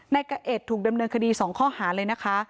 กะเอ็ดถูกดำเนินคดี๒ข้อหาเลยนะคะ